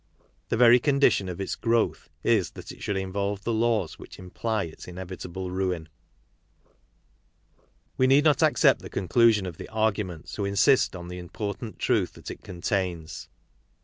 The very condition of its growth is that it should involve the laws which imply its inevitable ruin. 32 KARL MARX We need not accept the conclusion of the argument to insist on the important truth that it contains.